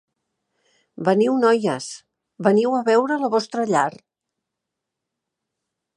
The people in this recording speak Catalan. Veniu, noies, veniu a veure la vostra llar!